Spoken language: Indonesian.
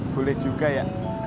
boleh juga ya